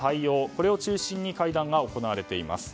これを中心に会談が行われています。